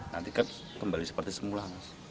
nanti kembali seperti semula